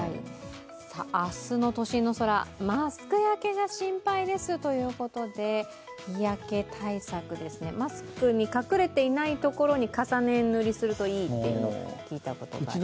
明日の都心の空、マスク焼けが心配ですということで、日焼け対策ですね、マスクに隠れてないところを重ね塗りするといいって聞いたことあります。